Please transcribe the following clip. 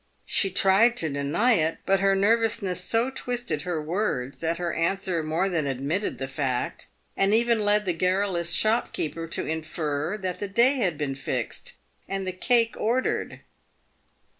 She tried to deny it, but her nervousness so twisted her words, that her answer more than admitted the fact, and even led the garrulous shopkeeper to infer that the day had been fixed, and the cake ordered.